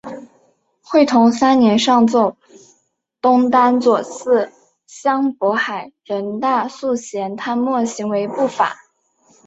会同三年上奏东丹左次相渤海人大素贤贪墨行为不法。